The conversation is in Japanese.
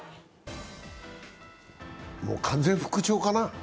もう完全復調かな？